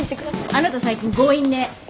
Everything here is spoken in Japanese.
あなた最近強引ね！